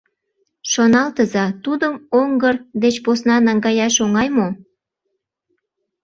Шоналтыза: тудым оҥгыр деч посна наҥгаяш оҥай мо?